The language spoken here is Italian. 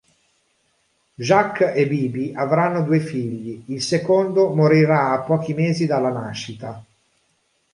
Jacques e Bibi avranno due figli, il secondo morirà a pochi mesi dalla nascita.